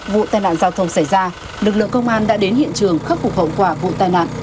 vụ tai nạn giao thông xảy ra lực lượng công an đã đến hiện trường khắc phục hậu quả vụ tai nạn